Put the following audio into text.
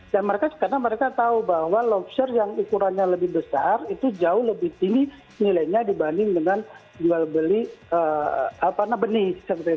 dan mereka karena mereka tahu bahwa lobster yang ukurannya lebih besar itu jauh lebih tinggi nilainya dibanding dengan jual beli benih